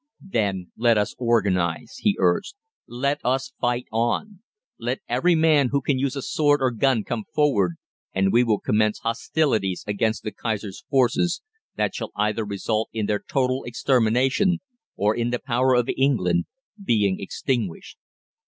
"Then let us organise!" he urged. "Let us fight on. Let every man who can use a sword or gun come forward, and we will commence hostilities against the Kaiser's forces that shall either result in their total extermination or in the power of England being extinguished.